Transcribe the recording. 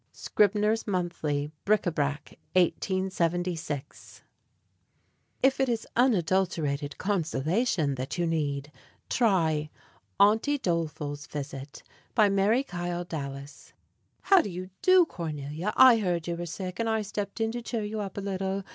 Scribner's Monthly, Bric à Brac, 1876. If it is unadulterated consolation that you need, try AUNTY DOLEFUL'S VISIT. BY MARY KYLE DALLAS. How do you do, Cornelia? I heard you were sick, and I stepped in to cheer you up a little.